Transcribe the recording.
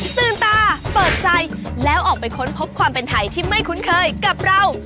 ตื่นตาเปิดใจแล้วออกไปค้นพบความเป็นไทยที่ไม่คุ้นเคยกับเรา